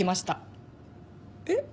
えっ？